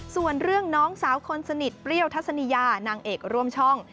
ส่วนเรื่องน้องสาวคนสนิทเปรี้ยวทัศนียานางเอกร่วมช่อง